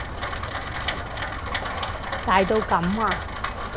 大到噉啊？